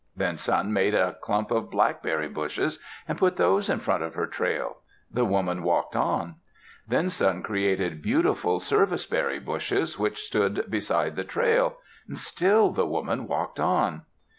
Then Sun made a clump of blackberry bushes and put those in front of her trail. The woman walked on. Then Sun created beautiful service berry bushes which stood beside the trail. Still the woman walked on.